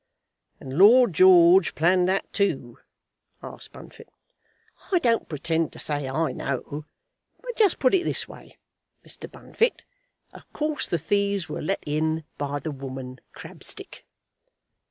"And Lord George planned that too?" asked Bunfit. "I don't pretend to say I know, but just put it this way, Mr. Bunfit. Of course the thieves were let in by the woman Crabstick."